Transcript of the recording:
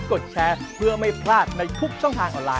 สดเป็น